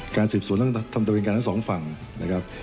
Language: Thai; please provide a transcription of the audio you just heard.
การสืบสวนทำตัวเองกันทั้งสองฝั่งนะครับ